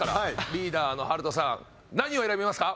リーダーのハルトさん何を選びますか？